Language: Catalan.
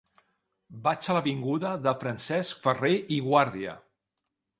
Vaig a l'avinguda de Francesc Ferrer i Guàrdia.